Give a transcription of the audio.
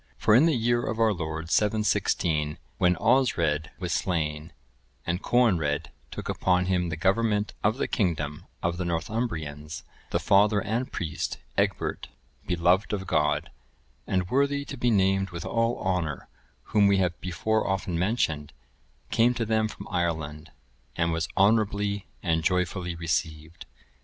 For in the year of our Lord 716, when Osred(988) was slain, and Coenred(989) took upon him the government of the kingdom of the Northumbrians, the father and priest,(990) Egbert, beloved of God, and worthy to be named with all honour, whom we have before often mentioned, came to them from Ireland, and was honourably and joyfully received.